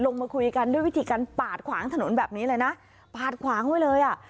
ลงมาคุยกันด้วยวิธีการปาดขวางถนนแบบนี้เลยนะปาดขวางไว้เลยอ่ะ